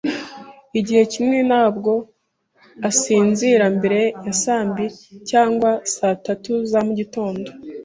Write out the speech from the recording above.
Igihe kinini, ntabwo asinzira mbere ya saa mbiri cyangwa saa tatu za mugitondo.